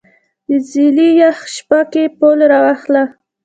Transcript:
د څیلې یخه شپه کې پل راواخله